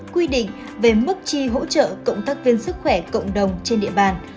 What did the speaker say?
quy định về mức chi hỗ trợ cộng tác viên sức khỏe cộng đồng trên địa bàn